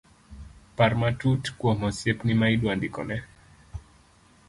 par matut kuom osiepni ma idwa ndikone